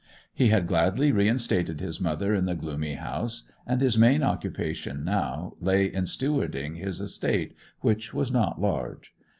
He had gladly reinstated his mother in the gloomy house, and his main occupation now lay in stewarding his estate, which was not large.